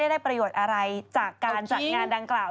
ได้ประโยชน์อะไรจากการจัดงานดังกล่าว